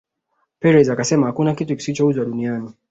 Perez akasema hakuna kitu kisichouzwa duniani